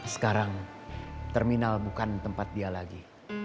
sekarang terminal bukan tempat dia lagi